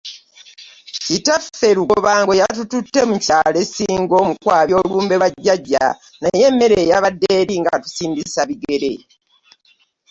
Kitaffe Lugobanga yatutute mu kyalo e Ssingo mu kwabya olumbe lwa jjajja naye emmere eyabade er inga tusindisa bigere.